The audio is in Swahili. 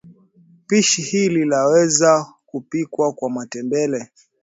Pishi hili laweza kupikwa kwa matembele